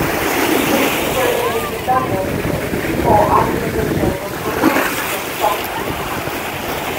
In cases where it is redundant, a peephole optimization would remove these instructions.